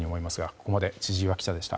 ここまで千々岩記者でした。